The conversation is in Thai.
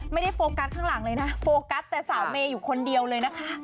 โฟกัสข้างหลังเลยนะโฟกัสแต่สาวเมย์อยู่คนเดียวเลยนะคะ